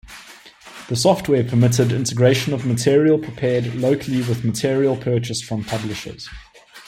The software permitted integration of material prepared locally with material purchased from publishers.